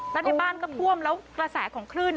แล้วในบ้านก็ท่วมแล้วกระแสของคลื่น